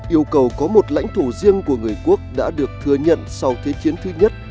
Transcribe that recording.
yêu cầu có một lãnh thổ riêng của người quốc đã được thừa nhận sau thế chiến thứ nhất